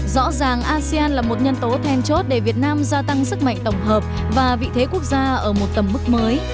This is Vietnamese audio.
rõ ràng asean là một nhân tố then chốt để việt nam gia tăng sức mạnh tổng hợp và vị thế quốc gia ở một tầm mức mới